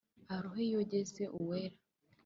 arohe yogeze uwera